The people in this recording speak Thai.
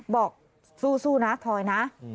บอกสู้นะทอยนะ